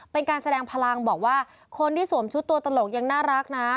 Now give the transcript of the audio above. เป็นการแสดงพลังบอกว่าคนที่สวมชุดตัวตลกยังน่ารักนะ